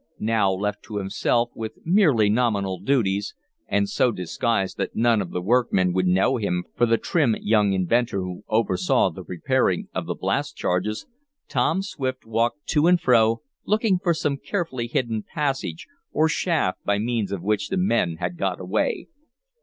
Now, left to himself, with merely nominal duties, and so disguised that none of the workmen would know him for the trim young inventor who oversaw the preparing of the blast charges, Tom Swift walked to and fro, looking for some carefully hidden passage or shaft by means of which the men had got away.